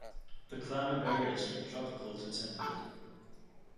The climate varies from tropical to temperate.